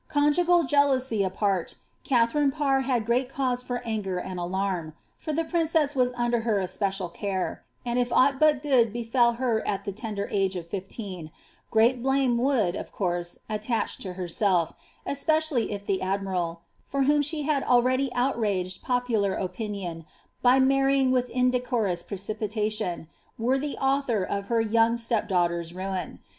Conjugal jealousy apart, Katharine Parr had great cause md alarm ; for the princess was under her especial care, and »ut good befell her at the tender age of fifteen, ^f^t blame course, attach to herself, especially if the admiral, for whom ready outraged popular opinion by marrying with indecorous 3n, were the author of her young step daughter's ruin.